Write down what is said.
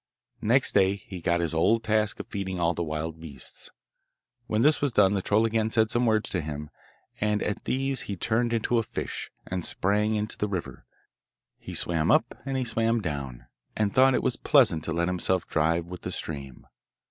Next day he got his old task of feeding all the wild beasts. When this was done the troll again said some words to him, and at these he turned into a fish, and sprang into the river. He swam up and he swam down, and thought it was pleasant to let himself drive with the stream.